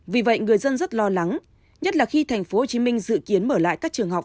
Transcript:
vì vậy người dân rất lo lắng nhất là khi tp hcm dự kiến mở lại các trường học